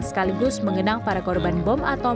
sekaligus mengenang para korban bom atom di masa silam